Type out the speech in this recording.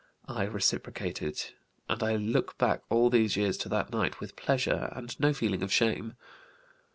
I reciprocated and I look back all these years to that night with pleasure and no feeling of shame.